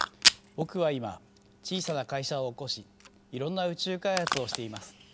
僕は今小さな会社を起こしいろんな宇宙開発をしています。